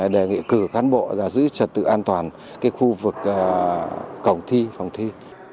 đề nghị cử cán bộ giữ trật tự an toàn khu vực cổng thi phòng thi